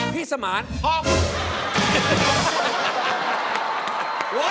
พี่สมานพ่อคุณ